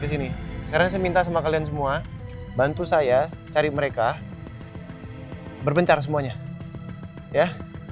di sini sekarang saya minta sama kalian semua bantu saya cari mereka berbencar semuanya ya